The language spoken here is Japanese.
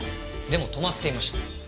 でも止まっていました。